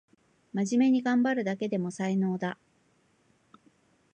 まじめにがんばるだけでも才能だ